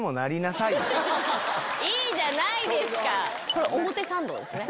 いいじゃないですか！